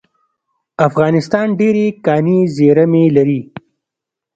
افغانستان ډیرې کاني زیرمې لري